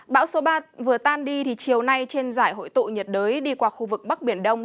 bão số ba vừa tan đi thì chiều nay trên giải hội tụ nhiệt đới đi qua khu vực bắc biển đông